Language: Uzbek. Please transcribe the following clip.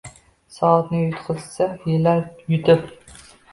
Soatni yutqizsa, yillarni yutib